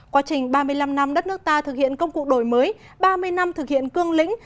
quá trình ba mươi năm năm đất nước ta thực hiện công cụ đổi mới ba mươi năm thực hiện cương lĩnh